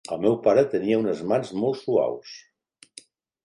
El meu pare tenia unes mans molt suaus.